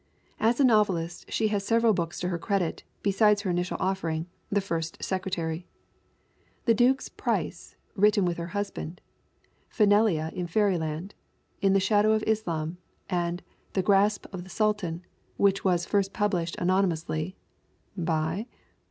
As a novelist she has several books to her credit besides her initial offering, The First Secretary. The Duke's Price, written with her husband; Finclla in Fairyland, In the Shadow of Islam, and The Grasp of the Sultan, which was first published anonymously ("by?")